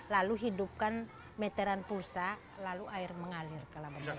lalu hidupkan meteran pulsa lalu air mengalir ke labon bajo ii